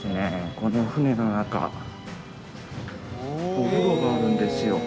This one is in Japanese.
この船の中お風呂があるんですよ。